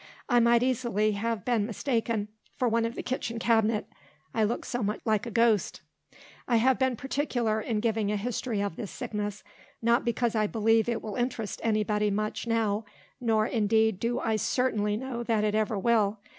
I might easily have been mistaken for one of the Kitchen Cabinet, I looked so much like a ghost. I have been particular in giving a history of this sickness, not because I believe it will interest any body much now, nor, indeed, do I certainly know that it ever will.